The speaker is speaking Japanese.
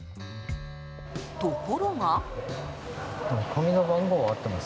ところが。